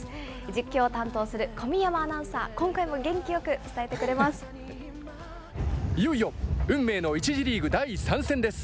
実況を担当する小宮山アナウンサー、今回も元気よく伝えてくれまいよいよ、運命の１次リーグ第３戦です。